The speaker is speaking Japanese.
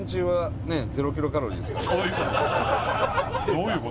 どういう事？